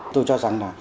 tôi cho rằng là